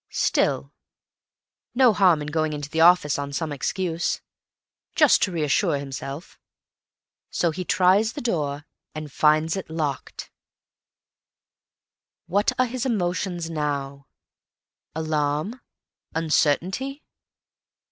Still—no harm in going into the office on some excuse, just to reassure himself. So he tries the door—and finds it locked! What are his emotions now? Alarm, uncertainty.